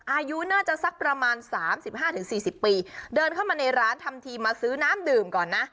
อายุน่าจะสักประมาณสามสิบห้าถึงสี่สิบปีเดินเข้ามาในร้านทำทีมาซื้อน้ำดื่มก่อนนะ